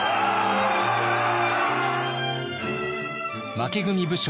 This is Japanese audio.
負け組武将